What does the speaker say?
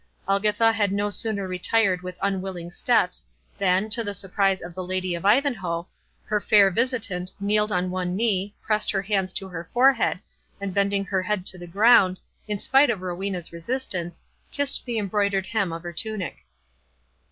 Elgitha had no sooner retired with unwilling steps, than, to the surprise of the Lady of Ivanhoe, her fair visitant kneeled on one knee, pressed her hands to her forehead, and bending her head to the ground, in spite of Rowena's resistance, kissed the embroidered hem of her tunic.